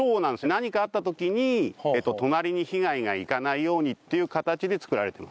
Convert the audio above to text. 何かあった時に隣に被害がいかないようにっていう形で造られてます。